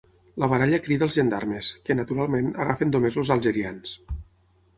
La baralla crida els gendarmes que, naturalment, agafen només els Algerians.